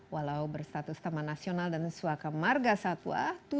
walau berstatus taman nasional dan suaka marga satwa